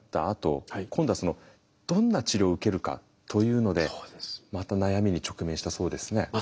あと今度はどんな治療を受けるかというのでまた悩みに直面したそうですね。